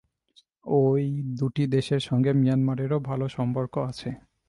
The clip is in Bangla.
ওই দুটি দেশের সঙ্গে মিয়ানমারেরও ভালো সম্পর্ক আছে।